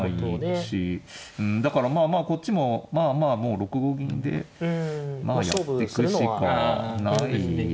うんだからまあまあこっちもまあまあもう６五銀でやってくしかない。